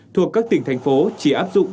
thuộc các tỉnh thành phố chỉ áp dụng